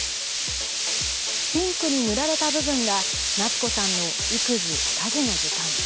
ピンクに塗られた部分が、夏子さんの育児・家事の時間。